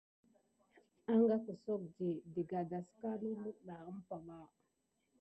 Ngan nisawudi vakana nizeŋga ɗegaï tivé ɗi.